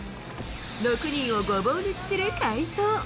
６人をごぼう抜きする快走。